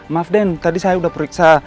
maaf den tadi saya sudah periksa